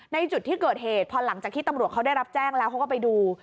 ในจุดที่เกิดเหตุพอหลังจากที่ตำรวจเขาได้รับแจ้งแล้วเขาก็ไปดู